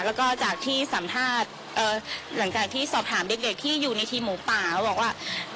แล้วก็จากที่สัมภาษณ์หลังจากที่สอบถามเด็กที่อยู่ในทีมหมูป่าเขาบอกว่า